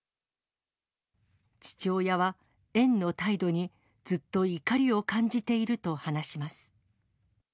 父親は園の態度に、ずっと怒りを感じていると話します。